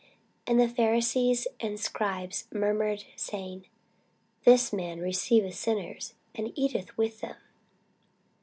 And the Pharisees and scribes murmured, saying, This man receiveth sinners, and eateth with them.